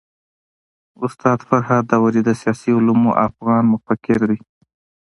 استاد فرهاد داوري د سياسي علومو افغان مفکر دی.